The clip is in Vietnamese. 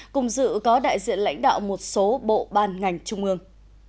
cùng dự có đại diện lãnh đạo một số bộ ban ngành trung ương